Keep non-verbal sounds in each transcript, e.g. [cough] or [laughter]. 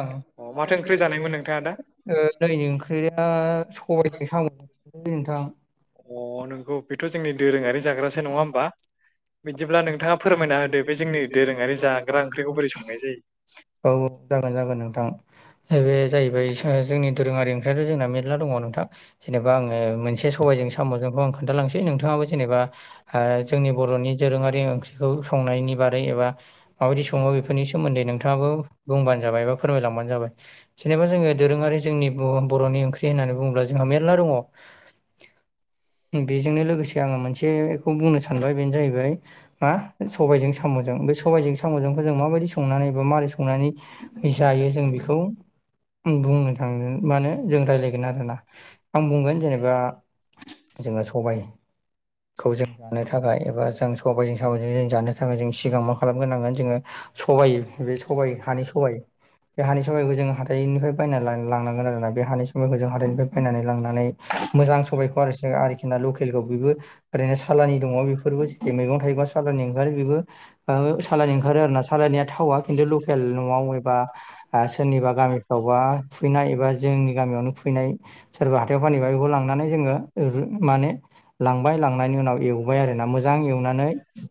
ओं अ' माथो ओंख्रि जानायमोन नोंथाङा दा? ओ दिनै ओंख्रिया सबायजों साम'जों नोंथां। अ' नोंगौ बेथ' जोंनि दोरोङारि जाग्रासो नङा होमबा? बिदिब्ला नोंथाङा फोरमायना होदो बे जोंनि दोरोङारि जाग्रा ओंख्रिखौ बोरै संनाय जायो? औ जागोन जागोन नोंथां जाहैबाय जोंनि दोरोङारि ओंख्रियाथ' जोंना मेरला दङ नोंथां। जेनबा आङो मोनसे सबाइजों साम'जोंखौ आं खोन्थालांनोसै नोंथाङाबो जेनबा ओ जोंनि बर'नि दोरोङारि ओंख्रिखौ संनायनि बारै एबा माबायदि सङो बेफोरनि सोमोन्दै नोंथाङाबो बुंबानो जाबाय एबा फोरमायलांबानो जाबाय जेनबा जोङो दोरोङारि जोंनि बुं बर'नि ओंख्रि होननानै बुङोब्ला जोंहा मेरला दङ बेजोंनो लोगोसे आङो मोनसेखौ बुंनो सानबाय बेनो जाहैबाय मा सबाइजों साम'जों सबाइजों साम'जोंखौ जों माबायदि संनानै बा मारै संनानै जायो जों बेखौ बुंनो थाङो मानो जों रायज्लायगोन आरोना आं बुंगोन जेनबा जोङो सबाइ खौ जों जानो थाखाय एबा जों सबाइजों साम'जों जों जानो थाखाय जों सिगां मा खालामग्रोनांगोन जोङो सबाइ बे सबाइ हानि सबाइ बे हानि सबाइखौ जों हाथाइनिफ्राय बायनानै लांनांगोन आरोना बे हानि समायखौ जों हाथाइनिफ्राय बायनानै लांनानै मोजां सबाइखौ आरो जोङोहाइ जोंना लकेलखौ बेबो ओरैनो सालानि दङ बेफोरबो जे मैगं थाइगंआ सालानि ओंखारो बेबो ओ सालानि ओंखारो आरोना सालाननिया थावा खिन्थु लकेल न'आव एबा सोरनिबा गामिफ्रावबा बा खुवैनाय एबा जोंनि गामियावनो खुवैनाय सोरबा हाथायाव फानहैबाय बेखौ लांनानै जोङो ओ रु माने लांबाय लांनायनि उनाव एवबाय आरोना मोजां एवनानै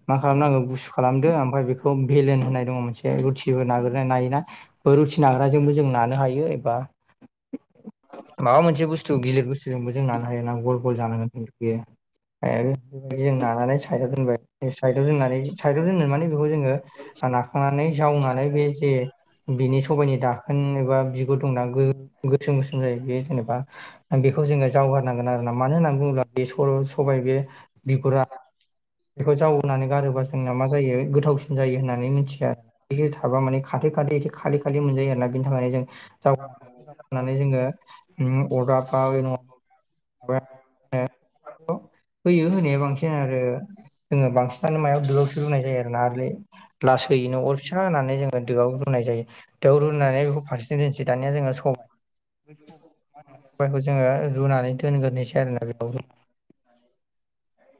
मा खालामनांगौ गुुसु खालामदों ओमफ्राय बेखौ भेलेन होननाय दङ मोनसे रुटिबो नाग्रा नायोना रुटि नाग्राजोंबो जोंङो नानो हायो एबा [unintelligible] माबा मोनसे बुस्थु गिलिर बुस्थु जोंबो जों नानो हायो ना गल गल जानांगोन खिन्थु बेयो ओमफाय आरो जों नानानै साइदाव दोनबाय साइदआव दोननानै साइदाव दोननो माने बेखौ जोङो नाखांनानै जावनानै बे जे बिनि सबायनि दाखोन एबा बिगुर दंना गो गोसोम गोसोम जायो बेयो जेनबा बेखौ जोङो जावगारनांगोन आरो मानो होनना बुङोब्ला बे सर' सबाइ बे बिगुरा बेखौ जावनानै गारोबा जोंना माजायो गोथावसिन जायो होननानै मिथियो आरो बेयो थाबा माने खाथो खादि एसे खालि खालि मोनजायो आरोना बिनि थाखायनो जों जावग्रोनांगौ नानै जोङो ओ अरदाब बा [unintelligible] खौ होयो होनाया बांसिन आरो जोङो बांसिनानो मायाव दोआवसो रुनाय जायो आरोना आरोलै लासैयैनो अर फिसा होननानै जोङो दोआव रुनाय जायो दोआव रुनानै बेखौ फारसेथिं दोनसै दानिया जोङो सबाय मा होनो सबायखौ जोङो रुनानै दोनग्रोनोसै आरोना बेयाव ओमफ्राय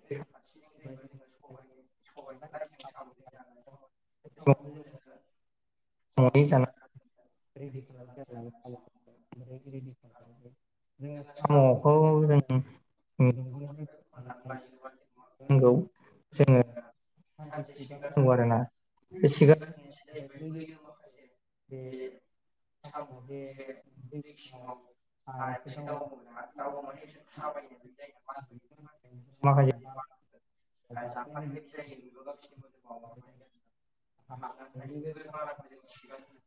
ओरै खाथिजों जेनबा जोङो सबाइ सबाइ नालाय जों साम'जों सामजों जानो बे साम'बो संनानै जोङो सामजों जाना जानो रेडि रिदि खालामसै खालामनानै दोनलाङो आरोना साम' साम'खौ ओमफ्राय रेडि खालामबाय जोङो साम'खौ जों खननानै लायोब्ला जेनबा नंगौ जोङो सानसे खिगार होनांगौ आरोना खिगार होनाया जाहैबाय बैयो बे साम'आ जे दै सिङाव हायावसो दावोना दावो माने बिसोर थाबायो जायो मानबायो बे मानबायनाय माखासे ओ जाफानाय बायदि जायो बेल गावसिनि मोदोमाव हाबनानै थायो बेफोर‌ बादाखौ जों खिगारहोयो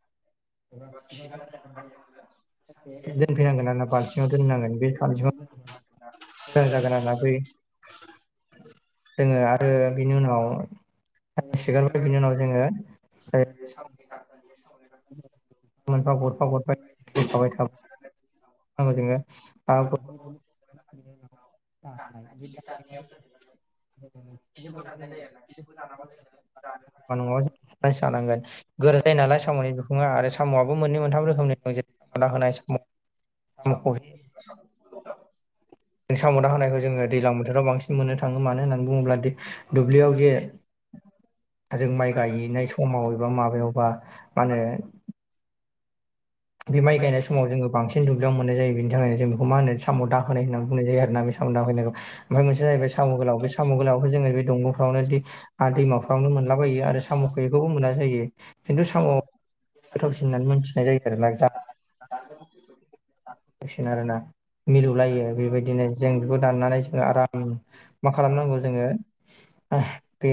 एबा खिगार होनो थाखाय दोनफैनांगोन आरोना बालथिं दोननांगोन बे बालथिङाव दोनबाय दोननाय जागोन आरोना बेै दोङो आरो बिनि उनाव खिगारबाय बिनि उनाव जोङो ओ माबानाय फावयैनो मोनफा गरफा गरफा थैफाबाय थाबायोङो [unintelligible] [unintelligible] बा न'आव नायस्रानांगोन गोरा जायो नालाय साम'नि बिखुङा आरो साम'आबो मोननै मोनथाम रोखोमनि दं जेरै ना होनाय साम' [unintelligible] साम'दना होनायखौ जोङो दैज्लां बोथोराव बांसिन मोननो थाङो मानो होननानै बुङोब्ला दुब्लियाव जे औ । जों माइ गायहनाय समाव एबा माबायावबा मा होनो बे माइ गायनाय समाव जोङो बांसिन दुब्लियाव मोननाय जायो बेनि थाखायनो जों बेखौ मा होनो साम' दाह होनाय होननानै बुंनाय जायो आरोन ना बे [unintelligible] ओमफ्राय मोनसे मोनलाबायो आरो स' खहेखौबो मोना जायो खिन्थु साम' गोथावसिननानै मोनथिनाय जायो आरोना। [unintelligible] आरोना मिलौलायो बेबायदिनो जों बेखौ दाननानै जोङो आराम मा खालामनांगौ जोङो बे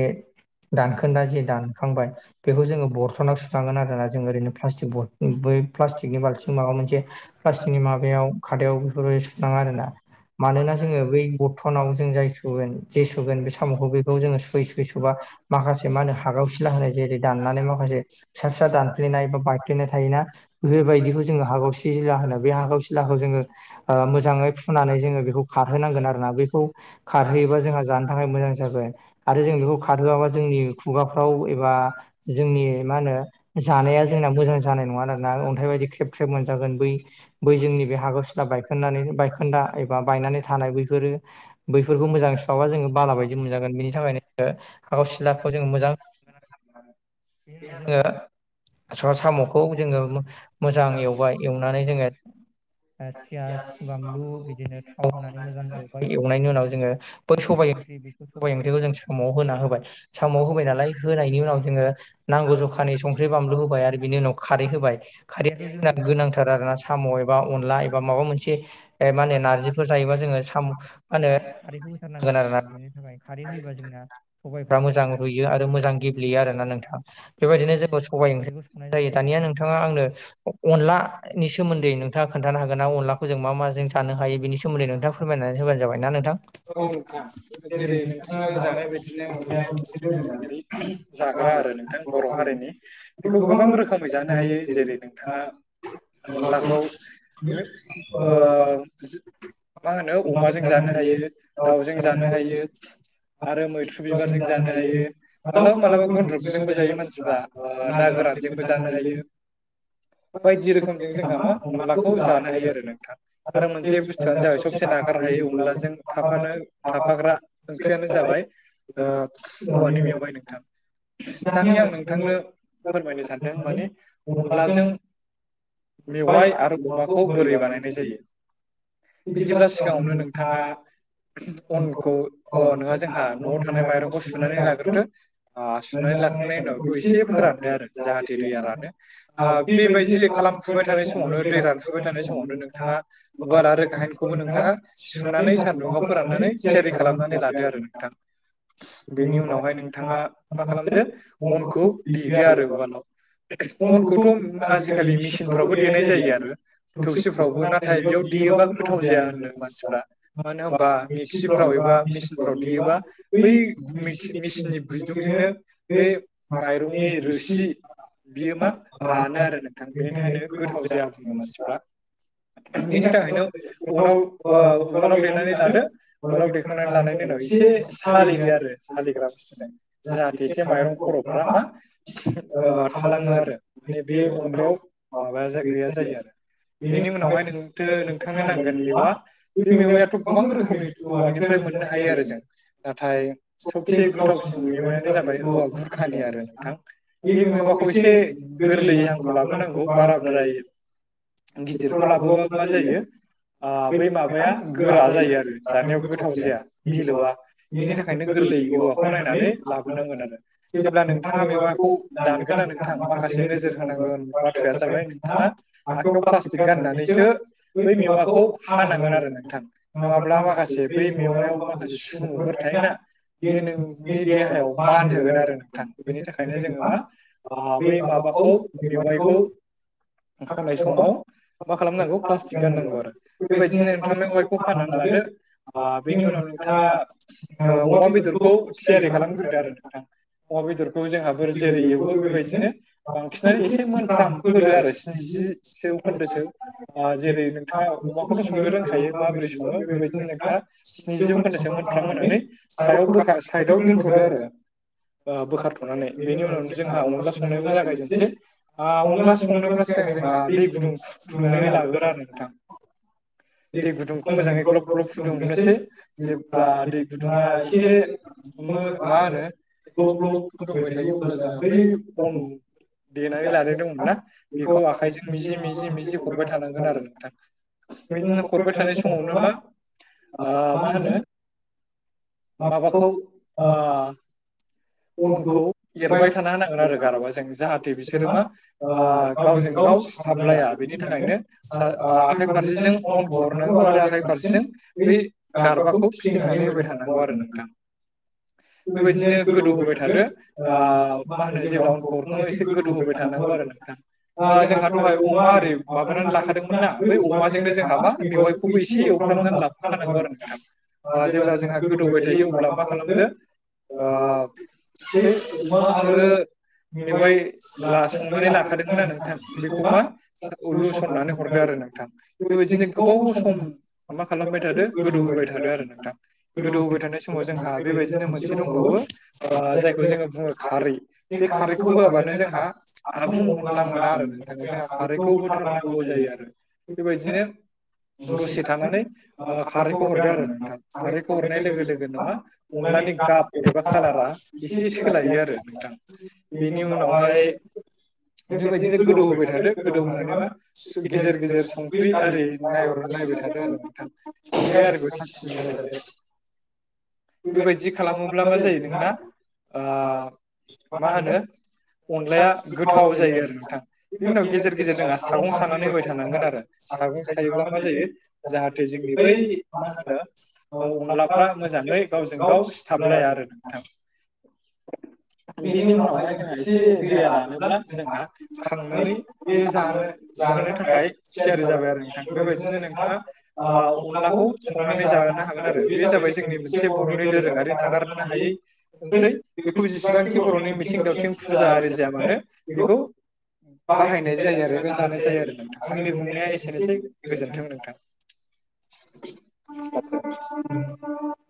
दानखोन्दा जे दानखांबाय बेखौ जोङो बर्थनाव सुखांगोन आरोना जों ओरैनो प्लास्टिक ब प्लास्टिकनि बाल्थिं माबा मोनसे प्लास्टिकनि माबायाव खादायाव मानोना जोङो बै बर्थनाव जों जाय सुगोन जे सुगोन बे साम'खौ बेखौ जोङो बै सैसोबा माखासे मा होनो हागाव सिला होनाय जेरै दाननानै माखासे फिसा फिसा दानफ्लेनाय बा बेनो थायोना बेबायदिखौ जोङो हागावसिजिला होनो बे हागावसिलाखौ जोङो ओ मोजाङै फुनानै जोङो बेखौ खार जाहोनांगोन आरोना बेखौ खारहैयोबा जोंहा जानो थाखाय मोजां जागोन । आरो जों बेखौ खारहोआबा जोंनि खुगाफ्राव एबा जोंनि मा होनो जानाया जोंना मोजां जानाय नङा [unintelligible] बेबायदि ख्रेब ख्रेब मोनजागोन बै बै जोंनि बे हागौ सिला बायखोन्दा एबा बायनानै नाय बैफोरो बेनि थाखायनो हागावसिलाखौ जोङो मोजां मोनगोन आरो जोङो साम'खौ जोङो मोजां एवबाय पियास बानलु बिदिनो थाव हो [unintelligible] सबाय ओंख्रि साम' होना होबाय साम'आव होबाय नालाय होनायनि उनाव जोङो नांगौ जखानि संख्रि बानलु होबाय आरो बि बिनि उनाव खारै होबाय खारैयाथ' जोंना गोनांथार आरो ना साम' एबा अनला एबा माबा मोनसे मा होनो नारजिफोर जायोबा साम' मा ोनो खारैखौ होथारनांगोन आरो जोंना सबाइफ्रा मोजां रुयो आरो मोजां गेब्लेयो आरो ना नोंथां बेबायदिनो जोंङबो सबाइ ओंख्रिखौ संङो नाय जायो दानिया नोंथाङा आंनो अनलानि सोमोन्दै नोंथाङा खोन्थानो हागोन ना अनलाखौ जों मा मा जों सानो हायो बेनि सोमोन्दै? फोरमायनानै होबानो जाबाय ना नोंथां औ नोंथां जेरै । नोंथाङा जानाय बायदिनो अनलायाबो मोनसे दोरोङारि जाग्रा आरो नोंथां बर' [unintelligible] हारिनि गोबां [unintelligible] बिथाङा अनलाखौ ओ मा होनो अमाजों जानो हायो दाउजों जानो हायो । आरो मैथ्रु बिबारजों जानो हायो मालाबा मालाबा गुन्द्रुकजोंबो गन्द्रुजोंबो जायो मानसिफोरा मानसिफ्रा ओ ना गोरा रानजोंबो जानो हायो बायदि रोखोमजों जोंहा मा अनलाखौ बे आरो मोनसे बुस्थुआ जोंहा सबसे नागार हायै होनोब्ला जों अनलाजों थाफान थाफानो थाफाग्रा फोरानो जाबाय ओंख्रियानो जाबाय ओ औवानि मेवाइ दानिया आं नोंथांनो सानदों माने अनलाजों मेवाइ आरो अमाखौ बोरै बानायनाय जायो? बिदिब्ला सिगाङावनो नोंथाङा अनखौ अ नोङा जोंहा न'आव थानाय माइरंखौ सुनानै लाग्रोदो ओ सुनानै लाखांनायनि उनाव इखौ एसे फोरान खानदो आरो जाहाथे दैया रानो ओ बेबायदिले खालामफुबाय थानाय समावनो दै रानफुबाय थानाय समावनो नोंथाङा उवाल आरो गाहेनखौबो नोंथाङा सुनानै सान्दुुंआव फोराननानै थियारि खालामनानै लादो आरो नोंथां। बेनि उनावहाय नोंथाङा मा खालामदो अनखौ देदो आरो उवालाव। [inaudible] अनखौथ' आजिखालि मिसिनफ्रावबो देनाय जायो आरो थौसिफ्रावबो नाथाय बेयाव देयोबा गोथाव जाया होननो मानसिफ्रा मानो होनबा मिक्सिफ्राव एबा मिचिनफ्राव देयोबा बै मैखि मेसिननि [unintelligible] जोंनो बे माइरंनि रोसि बियो मा रानो आरो नोंथां बेनि थाखायनो गोथाव जाया बुङो मानसिफ्रा। बेनि बिनि थाखायनो बेखौ उनाव बथलाव उवा-उवालाव लिरनानै देनानै लादो बथलाव उवालाव दे लिरनानै खांनानै लानानै लानायनि उनाव एसे सालिदो आरो सालिग्रा सालिगासिनो बुस्थुजों जाहाथे एसे माइरं माइरंखौ बर'फ्रा खर'फ्रा मा ओ थालाङो आरो माने बे बियो अरदाबाव अनलायाव माबाया माबानानै जा रेस्ट गैया जायो आरो। बेनि उनावहाय नोंथो नोंथांनो नांगोन मेवा बे मेवायाथ' गोबां रोखोमनि औवानि फ्राय मोननो हायो आरो जों नाथाय सबसे गोथावसिन मैवायानो जाबाय औवा बुरखानि आरो नोंथां। बे [unintelligible] खौ एसे गोरलैयै हांखौ लाबोनांगौ बाराद्राय गिदिरखौ लाबोबा मा जायो ओ बै माबाया गोरा जायो आरो जानायाव गोथाव जाया मिलौवा बेनि थाखायनो गोरलै औवाखौ नायनानै लाबोनांगोन आरो जेब्ला नोंथाङा मेवाखौ दान गोन ना नोंथां माखासे नोजोर होनांगोन बाथ्राया जाबाय नोंथाङा आखायाव प्लास्टिक गाननानैसो बै मेवाखौ हानांगोन आरो नोंथां नङाब्ला माखासे बै मेवायाव माखासे सुमुफोर थायोना बियो नोंनि देहायाव मानहोगोन आरो नोंथां बेनि थाखायनो जोङो मा आ बै माबाखौ मेवाइखौ हानाय थासिगोन समाव मा खालामनांगौ प्लास्टिक गाननांगौ आरो बेबायदिनो नोंथां मेवायखौ हानानै ला लादो आ बेनि उनाव नोंथाङा ओ अमा बेदरखौ थियारि खालामग्रोदो आरो नोंथां। अमा बेदरखौ जोंहाफोर जेरै एवो बेबाय बेबायदिनो दिनो बांसिनानो बांसिनानै एसे मोजां मोनफ्राम होदो आरो जि स्निजि जेरै जौखोन्दोसो बेखौथ' ओ जेरै नोंथाङा अमाखौथ' संनो रोंखायो माबोरै सङो बेबायदिनो नोंथाङा स्निजि जौखोन्दासो मोनफ्राम होनानै सायाव बोखा साइदआव दोनथ'दो आरो ओ बोखारथ'नानै आरो बेनि उनाव उनावनो जोंहा अनला संनायखौ संनायबो जागायनोसै जागायजेननोसै आ अनला संनोब्ला सिगां जोंहा दै गुदुं फु-फुदुंनानै लागोरो आरो नों थां दै गुदुंखौ मोजाङै ग्लब ग्लब दुंनोसै जेब्ला दै गुदुङा एसे मो मा होनो ग्लक ग्लक फुदुंबाय थायो अब्ला जोंहा बै अन देनानै बै लानाय दंमोन ना बेखौ आखाइजों मिजि मिजि मिजि हरबाय थानांगोन आरो नोंथां। बिदिनो हरबाय थानाय समावनो मा ओ मा होनो माबाखौ ओ अनखौ एरबाय थाना होनांगोन आरो गारबाजों जाहाथे बिसोरो मा ओ गावजों गाव गाव सिथाबलाया बेनि थाखायनो सा आखाइ फारसेजों अनखौ हरनांगौ आरो आखाइ फारसेजों बै गारबाखौ फिदिंनानै होबाय थानांगौ आरो नोंथां बेबायदिनो गोदौ होबाय थादो ओ मा होनो जेब्ला अनखौ हरखाङो एसे गोदौ होबाय थानांगौ आरो नोंथां। ओ जोंहाद'हाय अमा ओरै माबानानै लाखादोंमोन ना बै अमाजोंनो जोंहा मा मेवाइखौबो एसे एफ्रामनानै लाफाखानांगौ आरो नोंथां ओ जेब्ला जोंहा गोदौबाय थायो अब्ला मा खालामदो ओ बै अमा आरो मेवाइ ला संनानै लाखादोंमोनना नोंथां बेखौ मा सो लुसननानै हरदो आरो। नोंथां बेबायदिनो गोबाव सम मा खालामबाय थादो गोदौ होबाय थादो आरो नोंथां गोदौ दौहोबाय थानाय समाव जोंहा बेबायदिनो मोनसे दंबावो ओ जायखौ जोङो बुङो खारै बे खारैखौ होआबानो जोंहा आबुं अनला मोना आरो थाखाय जोंहा खारैखौ होथारनांगौ जायो आरो बेबायदिनो दसे थानानै ओ खारैखौ हरदो आरो नोंथां खारैखौ हरनाय लोगो लोगोनो मा अनला लानि गाब एबा खालारा एसे सोलायो आरो नोंथां बेनि उनावहाय बेबादिनो गोदौ होबाय थादो गोदौ होनानै मा सो गेजेर गेजेर संख्रि आरि आर मा नायहर होनो नायबाय गोथाव थादो जायो आरो नोंथां नोंथां संख्रि आरोखौ सानसिनबाय थादो बेनि बेबायदि खालामोब्ला मा जायो नोंना [unintelligible] ओ मा होनगोन अनलाया गोथाव जायो आरो नोंथां बिनि उनाव गेजेर गेजेर जोंहा सागं सानानै होबाय थानांगोन आरो सागं सायोब्ला मा जायो जाहाथे जोंनि बै मा होनो ओ अब्ला अनलाफ्रा मोजां ङै गावजों गाव सिथाबलाया आरो नोंथां बेनि उनावहाय जोंहा एसे दैया रानोब्ला जोंहा खांनानै बे जानो जानो थाखाय थियारि जाबाय आरो नोंथां बेबायदिनो नोंथाङा ओ अनलाखौ संनानै जा नो हागोन आरो बे जाबाय जोंनि मोनसे बरनि दोरोंआरि नागारनो हायै ओंख्रै बेखौ जेसेबांखि बरनि मिथिं दावथिं फुजा आरि जाया मानो बेखौ बाहायनाय जायो आरो एबा जानाय जायो आरो नोंथां आंनि बुंनाया एसेनोसै गोजोन्थों नोंथां [inaudible] [unintelligible]